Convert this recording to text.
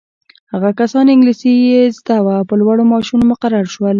هغه کسان انګلیسي یې زده وه په لوړو معاشونو مقرر شول.